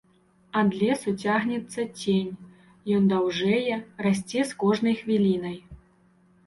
Ад лесу цягнецца цень, ён даўжэе, расце з кожнай хвілінай.